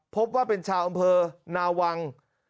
พบว่าเป็นชาวอำเภอนาวัง